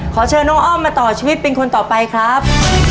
ขอเชิญน้องอ้อมมาต่อชีวิตเป็นคนต่อไปครับ